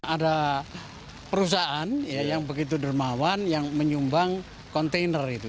ada perusahaan yang begitu dermawan yang menyumbang kontainer gitu